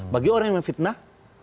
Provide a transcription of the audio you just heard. bagi orang yang memfitnah